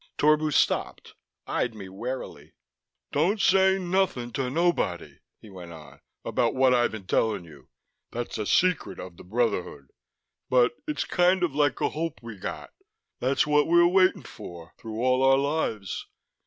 Torbu stopped, eyed me warily. "Don't say nothing to nobody," he went on, "about what I been tellin' you. That's a secret of the Brotherhood. But it's kind of like a hope we got that's what we're waitin' for, through all our lives.